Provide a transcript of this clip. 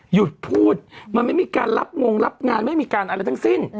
หยุดพูดมันไม่มีการรับงงรับงานไม่มีการอะไรทั้งสิ้น